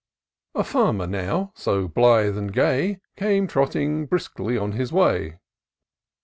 A farmer now, so blithe and gay, Came trotting briskly on his way.